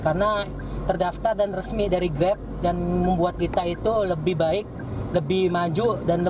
karena terdaftar dan resmi dari grab dan membuat kita itu lebih baik lebih maju